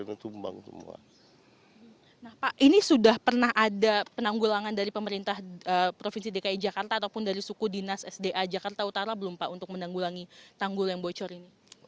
nah pak ini sudah pernah ada penanggulangan dari pemerintah provinsi dki jakarta ataupun dari suku dinas sda jakarta utara belum pak untuk menanggulangi tanggul yang bocor ini